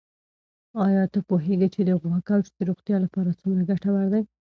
آیا ته پوهېږې چې د غوا کوچ د روغتیا لپاره څومره ګټور دی؟